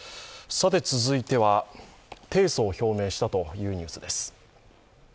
続いては、提訴を表明したというニュースです。